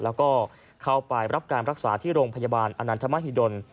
แล้วก็เข้าไปรับการรักษาที่โรงพยาบาลอนันทมหิดล